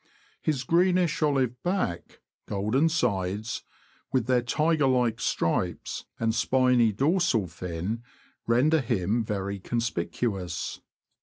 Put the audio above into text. His greenish olive back, golden sides, with their tiger like stripes, and spiny dorsal fin^ render him very conspicuous.